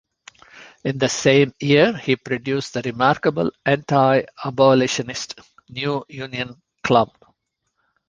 In the same year he produced the remarkable anti-abolitionist "New Union Club".